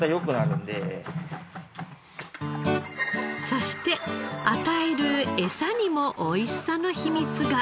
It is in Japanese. そして与えるエサにもおいしさの秘密が。